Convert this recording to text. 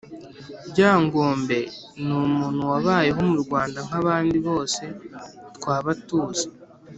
Ryangombe ni umuntu wabayeho mu Rwanda nk’abandi bose twaba tuzi.